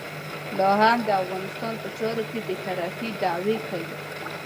لا هم د افغانستان په چارو کې د بې طرفۍ دعوې کوي.